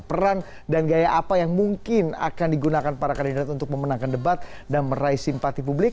peran dan gaya apa yang mungkin akan digunakan para kandidat untuk memenangkan debat dan meraih simpati publik